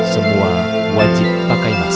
semua wajib pakai masker